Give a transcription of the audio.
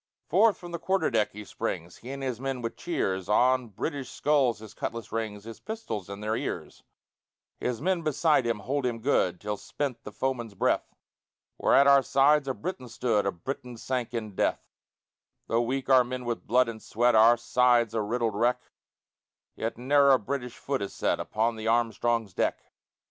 Forth from the quarter deck he springs, He and his men with cheers; On British skulls his cutlass rings, His pistols in their ears; His men beside him hold him good Till spent the foeman's breath; Where at our sides a Briton stood, A Briton sank in death; Though weak our men with blood and sweat, Our sides a riddled wreck, Yet ne'er a British foot is set Upon the Armstrong's deck.